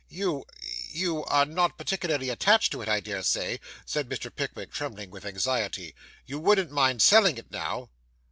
'You you are not particularly attached to it, I dare say,' said Mr. Pickwick, trembling with anxiety. 'You wouldn't mind selling it, now?